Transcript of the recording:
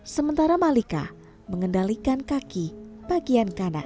sementara malika mengendalikan kaki bagian kanan